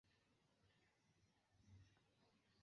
Estas tre varme.